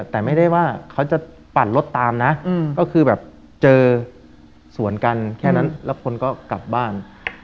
แต่ไม่ได้ว่าเขาจะปั่นรถตามนะก็คือแบบเจอสวนกันแค่นั้นแล้วคนก็กลับบ้าน